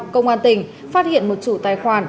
công an tỉnh phát hiện một chủ tài khoản